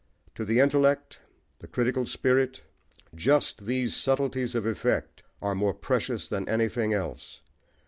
To the intellect, the critical spirit, just these subtleties of effect are more precious than anything else.